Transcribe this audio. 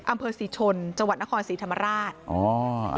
อำเภอศรีชนจังหวัดนครศรีธรรมราช